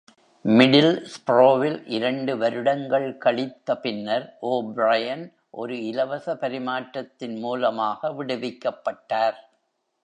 மிடில்ஸ்ப்ரோவில் இரண்டு வருடங்கள் கழித்த பின்னர், ஓ'பிரையன் ஒரு இலவச பரிமாற்றத்தின் மூலமாக விடுவிக்கப்பட்டார்.